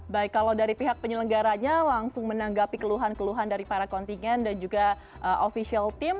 baik kalau dari pihak penyelenggaranya langsung menanggapi keluhan keluhan dari para kontingen dan juga official team